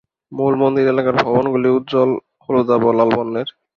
মূল মন্দির এলাকার ভবনগুলি উজ্জ্বল হলুদাভ ও লাল বর্ণের।